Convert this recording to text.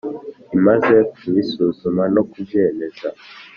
imaze kubisuzuma no kubyemeza